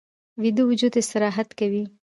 ویده وجود استراحت کوي